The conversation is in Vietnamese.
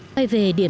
bây giờ mình đi